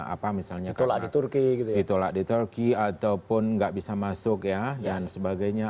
apa misalnya kalau ditolak di turki ataupun nggak bisa masuk ya dan sebagainya